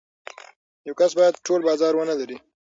یو کس باید ټول بازار ونلري.